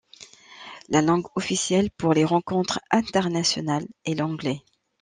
La langue officielle pour les rencontres internationales est l'anglais.